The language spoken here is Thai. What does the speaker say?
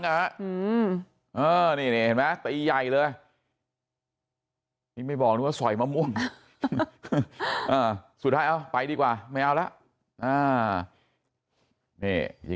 นี่เห็นไหมตีใหญ่เลยนี่ไม่บอกนึกว่าสอยมะม่วงสุดท้ายเอาไปดีกว่าไม่เอาแล้ว